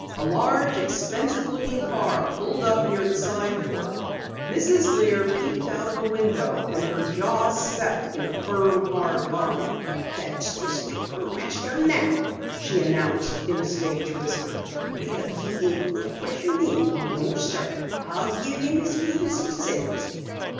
A large, expensive looking car pulled up near the side door. Mrs. Lear peeped out of a window and her jaw set in a firm, hard line. "That's Mr. Burmaster now," she announced in a stage whisper. "Well, he ain't goin' to pressure me. No sir! I'll give him as good as he sends!"